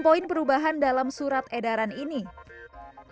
pertama penumpang yang tidak turun di bandara igustingurang